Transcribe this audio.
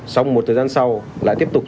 xong một thời gian sau lại tiếp tục